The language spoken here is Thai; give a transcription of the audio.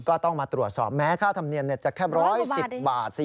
ก็ต้องมาตรวจสอบแม้ค่าธรรมเนียมจะแค่๑๑๐บาท